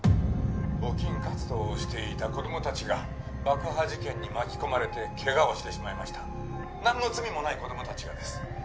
募金活動をしていた子供たちが爆破事件に巻き込まれてケガをしてしまいました何の罪もない子供たちがです